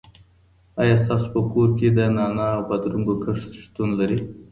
آیا ستاسو په کور کې د نعناع او بادرنګو کښت شتون لري؟